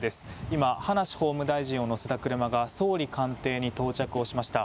今、葉梨法務大臣を乗せた車が総理官邸に到着をしました。